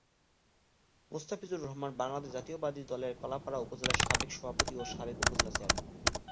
মুস্তাফিজুর রহমান বাংলাদেশ জাতীয়তাবাদী দলের কলাপাড়া উপজেলার সাবেক সভাপতি ও সাবেক উপজেলা চেয়ারম্যান।